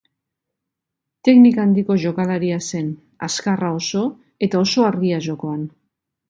Teknika handiko jokalaria zen, azkarra oso, eta oso argia jokoan.